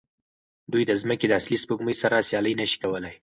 دوی د ځمکې د اصلي سپوږمۍ سره سیالي نه شي کولی.